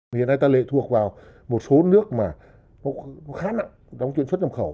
hiện nay ta lệ thuộc vào một số nước mà khá nặng trong chuyện xuất nhập khẩu